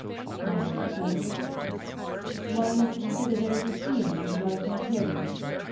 I admit all the difficulties. One must consider those of feeling, as well as the material.